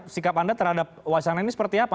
sikap anda terhadap wacana ini seperti apa